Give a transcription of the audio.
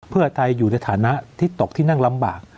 เพื่อไทยอยู่ในฐานะที่ตกที่นั่งลำบาก